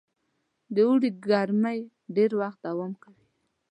د اوړي ګرمۍ ډېر وخت دوام کوي.